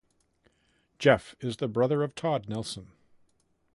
Jeff is the brother of Todd Nelson.